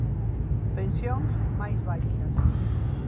Pensións máis baixas.